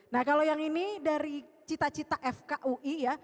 nah kalau yang ini dari cita cita fkui ya